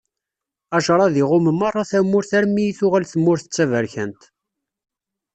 Ajṛad iɣumm meṛṛa tamurt armi i tuɣal tmurt d taberkant.